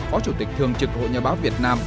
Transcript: phó chủ tịch thường trực hội nhà báo việt nam